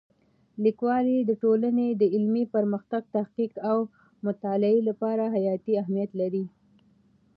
لیکوالی د ټولنې د علمي پرمختګ، تحقیق او مطالعې لپاره حیاتي اهمیت لري.